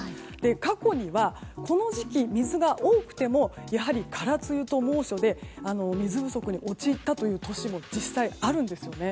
過去にはこの時期、水が多くてもやはり空梅雨と猛暑で水不足に陥ったという年も実際、あるんですよね。